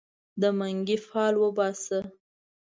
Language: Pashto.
د منګې فال وباسه